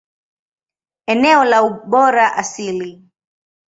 Eneo la ubora asili.